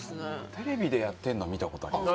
テレビでやってんのは見たことあります